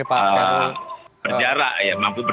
berjarak ya mampu berjarak dengan kekuatan tersebut